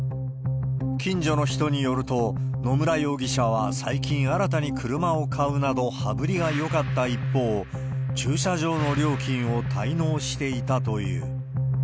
近所の人によると、野村容疑者は最近、新たに車を買うなど、羽振りがよかった一方、駐車場の料金を滞納していたという。